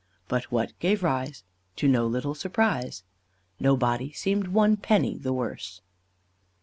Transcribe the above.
But what gave rise To no little surprise, Nobody seemed one penny the worse!"